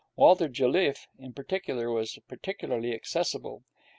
Walter Jelliffe, in particular, was peculiarly accessible.